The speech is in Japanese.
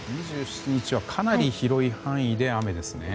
２７日はかなり広い範囲で雨ですね。